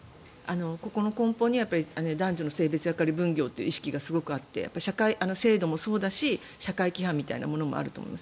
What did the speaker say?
ここの根本には男女の性別役割分業という意識がすごくあって社会制度もそうだし社会規範みたいなものもあると思います。